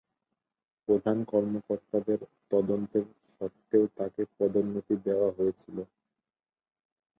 প্রধান কর্মকর্তাদের তদন্তের সত্ত্বেও তাকে পদোন্নতি দেওয়া হয়েছিল।